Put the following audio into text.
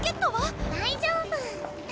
大丈夫！